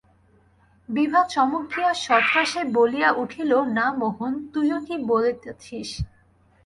বিভা চমকিয়া সত্রাসে বলিয়া উঠিল, না মোহন, তুই ও কী বলিতেছিস।